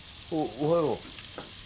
おはよう。